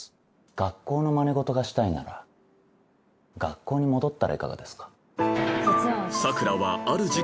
学校のまね事がしたいなら学校に戻ったらいかがですか？